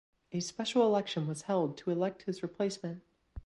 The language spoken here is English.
A special election was held to elect his replacement.